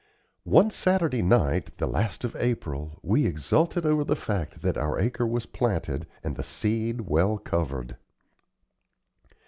One Saturday night, the last of April, we exulted over the fact that our acre was planted and the seed well covered.